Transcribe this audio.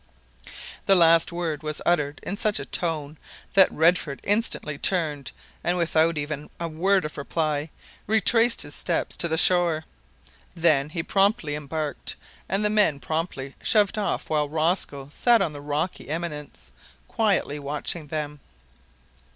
The last word was uttered in such a tone, that Redford instantly turned, and, without even a word of reply, retraced his steps to the shore. Then he promptly embarked, and the men promptly shoved off while Rosco sat on the rocky eminence, quietly watching them.